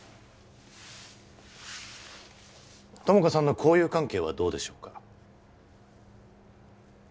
友果さんの交友関係はどうでしょうか？